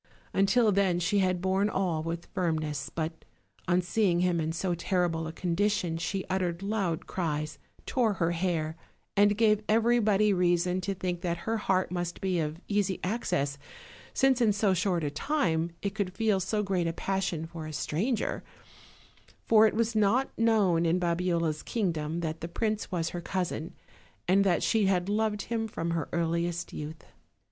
Until then she had borne all with firmness; but on seeing him in so terrible a condition she uttered loud cries, tore her hair, and gave everybody reason to think that her heart must be of easy access, since in so short a time it could feel so great a passion for a stranger; for it was not known in Babiola's kingdom that the prince was her cousin, and that she had loved him from her earliest youth.